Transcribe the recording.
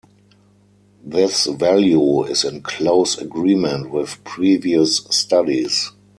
This value is in close agreement with previous studies.